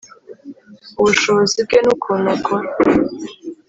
ubushobozi bwe n’ukuntu akora